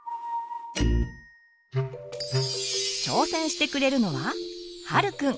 挑戦してくれるのは陽くん。